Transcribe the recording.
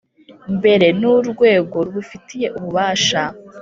Mbere n urwego rubifitiye ububasha